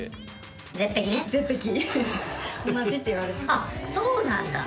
あっそうなんだ。